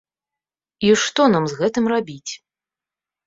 І што нам з гэтым рабіць?